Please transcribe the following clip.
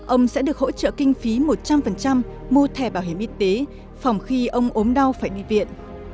ông sẽ được hỗ trợ kinh phí một trăm linh mua thẻ bảo hiểm y tế phòng khi ông ốm đau phải đi viện